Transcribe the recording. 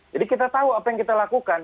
jadi kita tahu apa yang kita lakukan